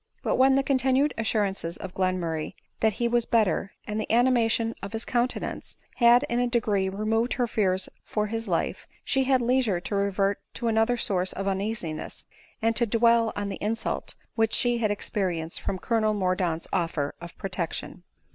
But when the continued assurances of Glenmurray that he was better, and the animation of his countenance, had in a degree removed her fears for his life, she had leisure to revert to another source of uneasiness, and to dwell on the insult which she had experienced from Colonel Mordaunt's offer of protection.